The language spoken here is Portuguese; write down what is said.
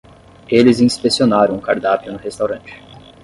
Eles inspecionaram o cardápio no restaurante.